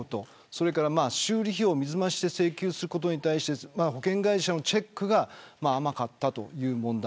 それから修理費用を水増しして請求することに対して保険会社のチェックが甘かったという問題。